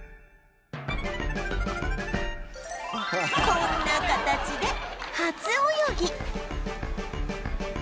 こんな形で初泳ぎ